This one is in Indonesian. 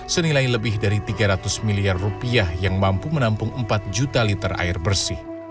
senilai lebih dari tiga ratus miliar rupiah yang mampu menampung empat juta liter air bersih